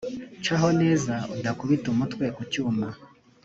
caho neza udakubita umutwe ku cyuma